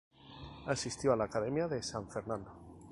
Asistió a la Academia de San Fernando.